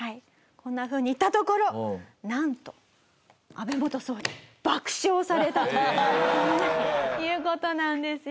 こんなふうに言ったところなんと安倍元総理爆笑されたという事なんですよね。